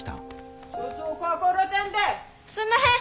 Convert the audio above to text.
すんまへん！